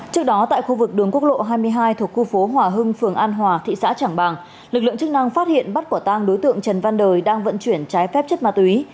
trước đó tại khu vực đường quốc lộ hai mươi hai thuộc khu phố hòa hưng phường an hòa thị xã trảng bàng lực lượng chức năng phát hiện bắt quả tang đối tượng trần văn đời đang vận chuyển trái phép chất ma túy